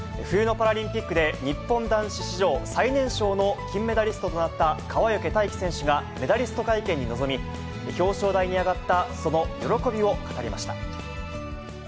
冬のパラリンピックで、日本男子史上最年少の金メダリストとなった川除大輝選手がメダリスト会見に臨み、表彰台に上がったその喜びを語りました。